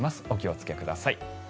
お気をつけください。